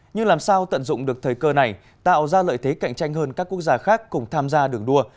nhưng làm sao tận dụng được thời cơ này tạo ra lợi thế cạnh tranh hơn các quốc gia khác cùng tham gia đường đua